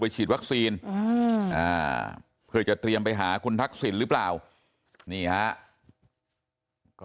ฉีดวัคซีนเพื่อจะเตรียมไปหาคุณทักษิณหรือเปล่านี่ฮะก็